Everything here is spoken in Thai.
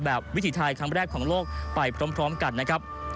วิถีไทยครั้งแรกของโลกไปพร้อมกันนะครับ